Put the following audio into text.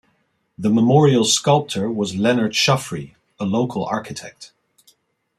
The memorial's sculptor was Leonard Shuffrey, a local architect.